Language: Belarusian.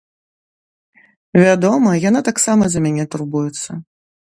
Вядома, яна таксама за мяне турбуецца.